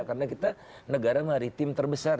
karena kita negara maritim terbesar